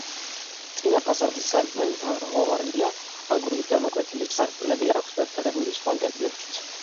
წინა ფასადის სარკმელი თაღოვანია, აგურით გამოკვეთილი, სარკმლები აქვს დატანებული სხვა კედლებშიც.